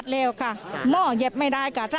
เพราะถูกทำร้ายเหมือนการบาดเจ็บเนื้อตัวมีแผลถลอก